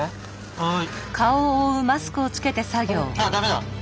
はい。